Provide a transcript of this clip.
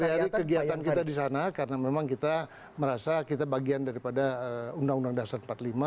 setiap hari kegiatan kita di sana karena memang kita merasa kita bagian daripada undang undang dasar empat puluh lima